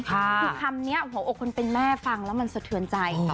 คำนี้โอ้โหออกคนเป็นแม่ฟังแล้วมันสะเทือนใจ